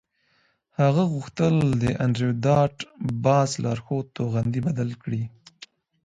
هغه غوښتل د انډریو ډاټ باس لارښود توغندی بدل کړي